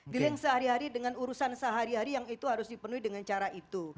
dealing sehari hari dengan urusan sehari hari yang itu harus dipenuhi dengan cara itu